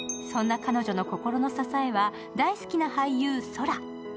そんな彼女の心の支えは大好きな俳優、ＳＯＲＡ。